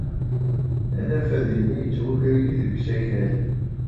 Anafad-inu yettwaker-iyi deg usakal.